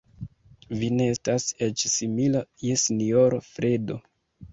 Vi ne estas eĉ simila je sinjoro Fredo.